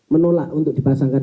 menolak untuk dipasangkan